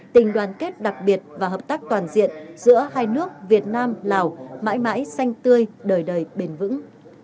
tình đoàn kết đặc biệt và hợp tác toàn diện giữa hai nước việt nam lào mãi mãi xanh tươi đời đời bền vững